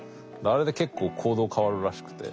あれで結構行動変わるらしくて。